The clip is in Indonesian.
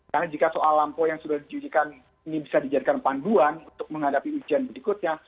karena jika soal lampu yang sudah diujikan ini bisa dijadikan panduan untuk menghadapi ujian berikutnya